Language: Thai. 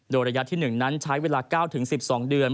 โดยระยะที่๑นั้นใช้เวลา๙๑๒เดือน